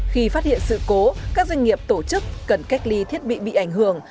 khi phát hiện sự cố các doanh nghiệp tổ chức cần cách ly thiết bị bị ảnh hưởng